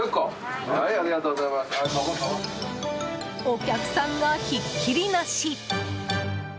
お客さんが、ひっきりなし！